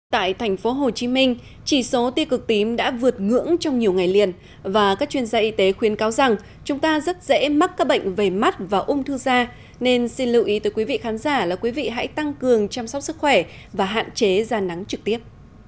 tại thành phố hồ chí minh chỉ số ti cực tím đã vượt ngưỡng trong nhiều ngày liền và các chuyên gia y tế khuyến cáo rằng chúng ta rất dễ mắc các bệnh về mắt và ung thư da nên xin lưu ý tới quý vị khán giả là quý vị hãy tăng cường chăm sóc sức khỏe và hạn chế ra nắng trực tiếp